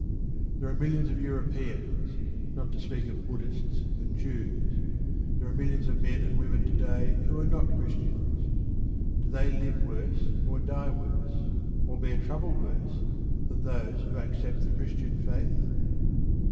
There are millions of Europeans not to speak of Buddhists and Jews there are millions of men and women to day who are not Christians. Do they live worse or die worse, or bear trouble worse, than those who accept the Christian faith?